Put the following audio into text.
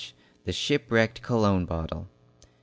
THE SHIPWRECKED COLOGNE BOTTLE.